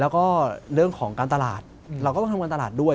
แล้วก็เรื่องของการตลาดเราก็ต้องทำการตลาดด้วย